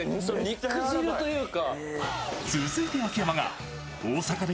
肉汁というか。